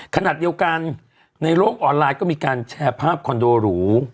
ขณะเดียวกันในโลกออนไลน์ก็มีการแชร์ภาพคอนโดหรู